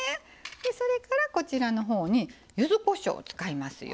それからこちらのほうにゆずこしょう使いますよ。